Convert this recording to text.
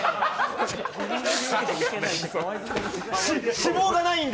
脂肪がないんで。